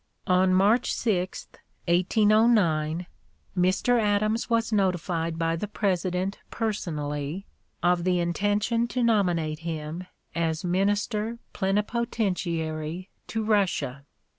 On March 6, 1809, Mr. Adams was notified by the President personally of the intention to nominate him as Minister Plenipotentiary to Russia.